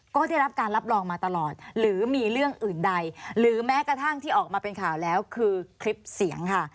ก็ได้รับการรับรองมาตลอดหรือมีเรื่องอื่นใดหรือแม้กระทั่งที่ออกมาเป็นข่าวแล้วคือคลิปเสียงค่ะ